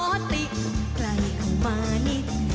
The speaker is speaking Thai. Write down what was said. เริ่มที่๓คนของเรานะครับผม